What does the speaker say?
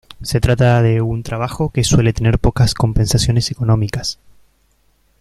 Se trata de un trabajo que suele tener pocas compensaciones económicas.